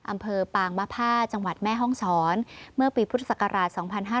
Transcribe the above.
อำเภอปางมภาจังหวัดแม่ห้องศรเมื่อปีพุทธศักราช๒๕๕๙